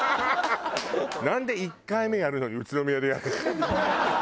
なんで１回目やるのに宇都宮でやるの？